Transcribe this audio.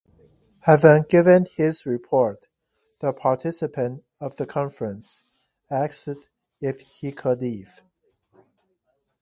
Having given his report, the participant of the conference asked if he could leave.